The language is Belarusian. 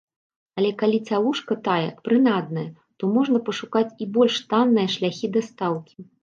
Але калі цялушка тая прынадная, то можна пашукаць і больш танныя шляхі дастаўкі.